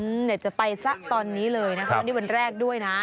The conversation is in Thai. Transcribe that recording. อยากจะไปซะตอนนี้เลยนะคะนี่วันแรกด้วยนะ